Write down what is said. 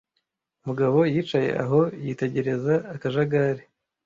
Mugabo yicaye aho yitegereza akajagari